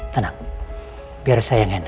tenang biar saya yang enak